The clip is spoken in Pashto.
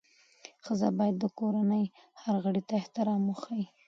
ښځه باید د کورنۍ هر غړي ته احترام وښيي.